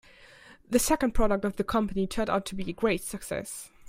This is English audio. The second product of the company turned out to be a great success.